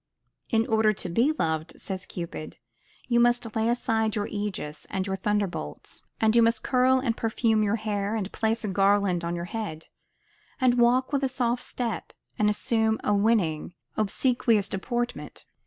In order to be loved, says Cupid, you must lay aside your aegis and your thunderbolts, and you must curl and perfume your hair, and place a garland on your head, and walk with a soft step, and assume a winning, obsequious deportment.